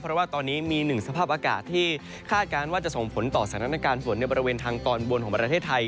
เพราะว่าตอนนี้มีหนึ่งสภาพอากาศที่คาดการณ์ว่าจะส่งผลต่อสถานการณ์ฝนในบริเวณทางตอนบนของประเทศไทย